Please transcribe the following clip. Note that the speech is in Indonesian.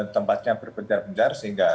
tempatnya berbencar bencar sehingga